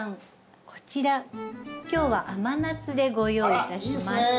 こちら今日は甘夏でご用意いたしました。